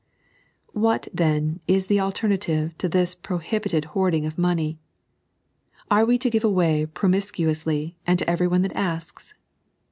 What, tbbn, is the altebnative to this prohibited boai^ ing of money ? Are we to give a^y promiscuously and to everyone that asks